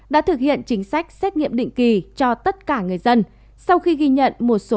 đã thực hiện chính sách xét nghiệm định kỳ cho tất cả người dân sau khi ghi nhận một số